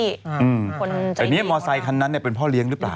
แต่อย่างนี้หมอไซคันนั้นเนี่ยเป็นพ่อเลี้ยงหรือเปล่า